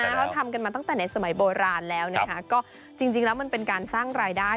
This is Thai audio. เขาทำกันมาตั้งแต่ในสมัยโบราณแล้วนะคะก็จริงแล้วมันเป็นการสร้างรายได้